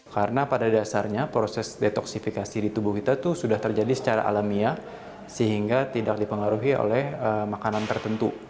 karena pada dasarnya proses detoksifikasi di tubuh kita itu sudah terjadi secara alamiah sehingga tidak dipengaruhi oleh makanan tertentu